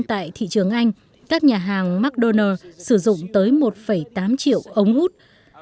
nhưng tại thị trường anh các nhà hàng mcdonald s sử dụng tới một tám triệu ống út